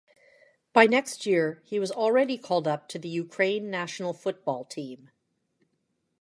By next year he was already called up to the Ukraine national football team.